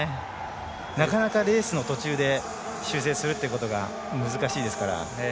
なかなかレースの途中で修正するのが難しいですから。